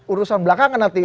urusan belakangan nanti